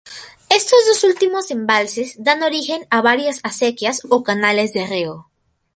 Estos dos últimos embalses dan origen a varias acequias o canales de riego.